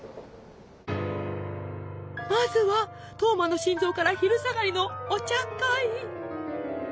まずは「トーマの心臓」から昼下がりの「お茶会」。